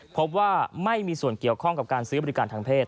พบว่าไม่มีส่วนเกี่ยวข้องกับการซื้อบริการทางเพศ